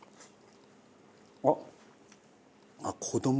あっ！